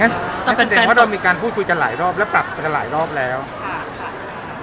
แล้วก็ทำเป็นที่ที่สุดแหละงั้นแสดงว่าเรามีการพูดคุยกันหลายรอบแล้วปรับกันหลายรอบแล้วค่ะ